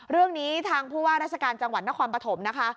เรื่องนี้ทางผู้ว่าราชการจังหวัดนครปฐมนะคะ